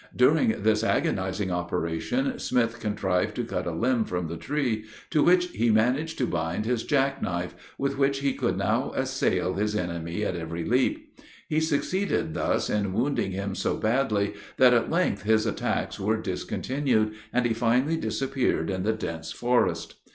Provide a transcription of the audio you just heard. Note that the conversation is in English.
During this agonizing operation, Smith contrived to cut a limb from the tree, to which he managed to bind his jack knife, with which he could now assail his enemy at every leap. He succeeded thus in wounding him so badly that at length his attacks were discontinued, and he finally disappeared in the dense forest.